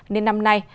nên năm nay